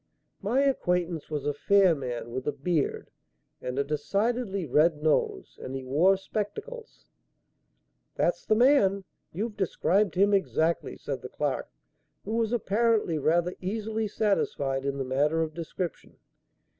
My acquaintance was a fair man with a beard and a decidedly red nose and he wore spectacles." "That's the man. You've described him exactly," said the clerk, who was apparently rather easily satisfied in the matter of description.